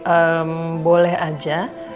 ehm boleh aja